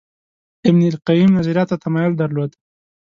ابن القیم نظریاتو ته تمایل درلود